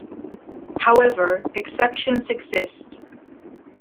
However, exceptions exist.